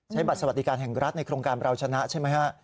บัตรสวัสดิการแห่งรัฐในโครงการเราชนะใช่ไหมฮะ